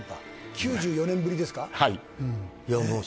９４年ぶりですか。